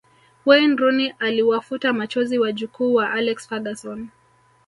Wayne Rooney aliwafuta machozi wajukuu wa Alex Ferguson